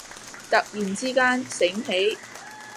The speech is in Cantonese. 突然之間醒起